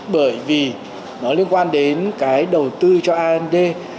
bởi vì nó liên quan đến cái đầu tư cho and